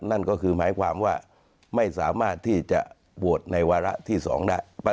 นั่นก็คือหมายความว่าไม่สามารถที่จะโหวตในวาระที่๒ได้